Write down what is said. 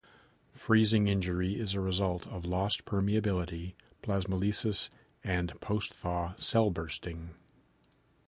Freezing injury is a result of lost permeability, plasmolysis, and post-thaw cell bursting.